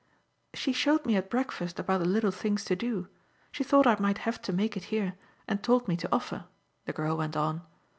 "She showed me at breakfast about the little things to do. She thought I might have to make it here and told me to offer," the girl went on.